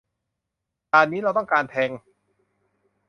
ด่านนี้เราต้องการแทงค์